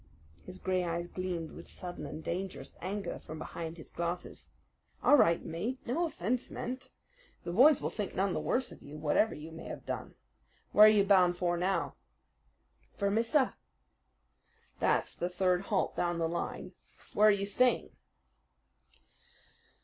His gray eyes gleamed with sudden and dangerous anger from behind his glasses. "All right, mate, no offense meant. The boys will think none the worse of you, whatever you may have done. Where are you bound for now?" "Vermissa." "That's the third halt down the line. Where are you staying?"